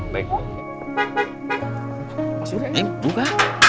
mas rendy buka